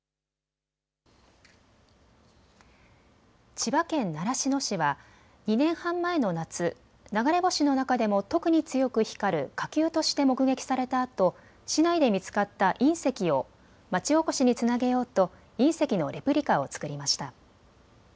千葉県習志野市は２年半前の夏、流れ星の中でも特に強く光る火球として目撃されたあと市内で見つかった隕石を町おこしにつなげようと隕石のレプリカを作りました。